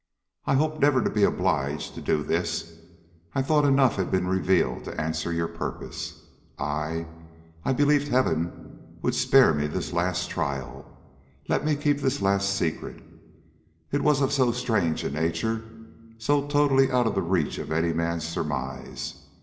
I hoped never to be obliged to do this. I thought enough had been revealed to answer your purpose. I I believed Heaven would spare me this last trial, let me keep this last secret. It was of so strange a nature, so totally out of the reach of any man's surmise.